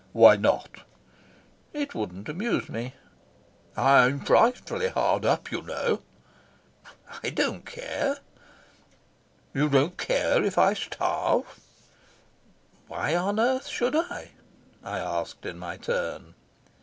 "Why not?" "It wouldn't amuse me." "I'm frightfully hard up, you know." "I don't care." "You don't care if I starve?" "Why on earth should I?" I asked in my turn.